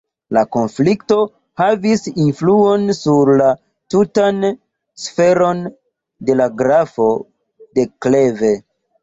La konflikto havis influon sur la tutan sferon de la grafo de Kleve.